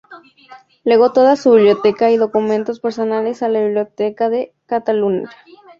Legó toda su Biblioteca y documentos personales a la Biblioteca de Catalunya.